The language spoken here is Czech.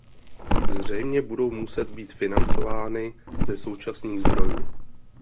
Zřejmě budou muset být financovány ze současných zdrojů.